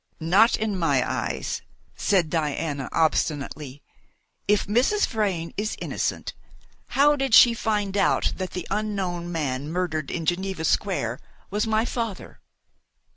"Not in my eyes," said Diana obstinately. "If Mrs. Vrain is innocent, how did she find out that the unknown man murdered in Geneva Square was my father?"